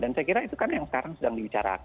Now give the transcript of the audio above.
dan saya kira itu kan yang sekarang sedang berlaku